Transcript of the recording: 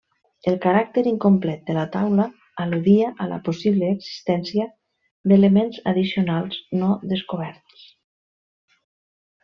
El caràcter incomplet de la taula al·ludia a la possible existència d'elements addicionals no descoberts.